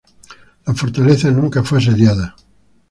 La fortaleza nunca fue asediada.